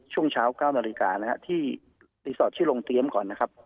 ช่วงเช้า๙นาฬิกานะครับที่รีสอร์ทชื่อลงเตรียมก่อนนะครับ